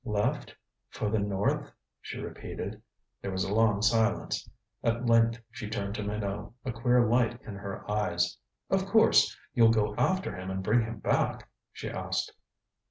"Left for the north," she repeated. There was a long silence. At length she turned to Minot, a queer light in her eyes. "Of course, you'll go after him and bring him back?" she asked.